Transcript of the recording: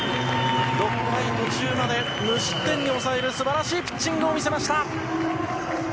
６回途中まで無失点に抑える素晴らしいピッチングを見せました。